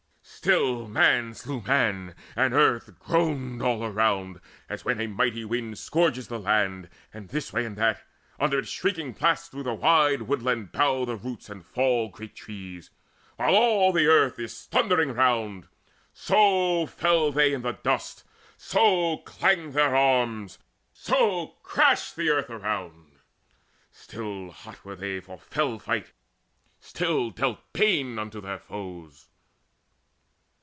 Still man slew man, while earth groaned all around, As when a mighty wind scourges the land, And this way, that way, under its shrieking blasts Through the wide woodland bow from the roots and fall Great trees, while all the earth is thundering round; So fell they in the dust, so clanged their arms, So crashed the earth around. Still hot were they For fell fight, still dealt bane unto their foes.